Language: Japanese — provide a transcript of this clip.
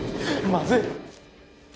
まずい。